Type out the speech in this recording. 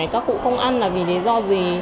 các cụ không ăn là vì lý do gì